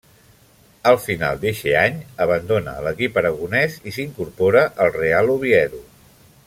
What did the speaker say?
Al final d'eixe any, abandona l'equip aragonés i s'incorpora al Real Oviedo.